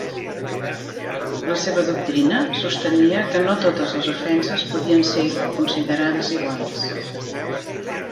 La seva doctrina sostenia que no totes les ofenses podien ser consideres iguals.